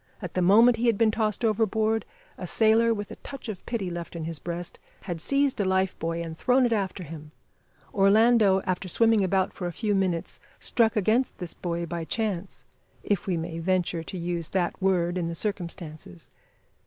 At the moment he had been tossed overboard, a sailor, with a touch of pity left in his breast had seized a life buoy and thrown it after him. Orlando, after swimming about for a few minutes, struck against this buoy by chance if we may venture to use that word in the circumstances.